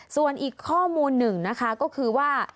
ส่วนอีกข้อมูลหนึ่งนะคะก็คือว่า